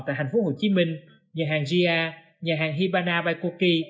tại tp hcm nhà hàng gia nhà hàng hibana baikoki